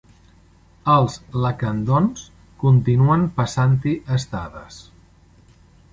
Els lacandons continuen passant-hi estades.